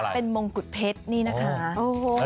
เป็นมงกุฎเพชรนี่นะคะ